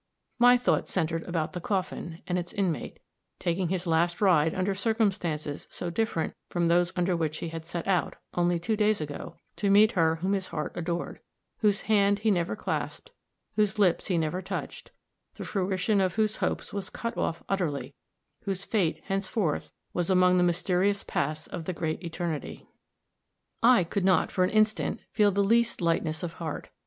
My thoughts centered about the coffin, and its inmate, taking his last ride under circumstances so different from those under which he had set out, only two days ago, to meet her whom his heart adored; whose hand he never clasped whose lips he never touched the fruition of whose hopes was cut off utterly whose fate, henceforth, was among the mysterious paths of the great eternity. I could not, for an instant, feel the least lightness of heart.